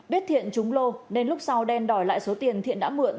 biết thiện chúng lô nên lúc sau đen đòi lại số tiền thiện đã mượn